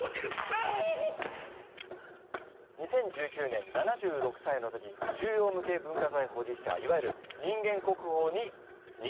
２０１９年７６歳の時重要無形文化財保持者いわゆる人間国宝に認定されました。